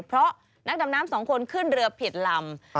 เพราะนักดำน้ำสองคนขึ้นเรือผิดลำ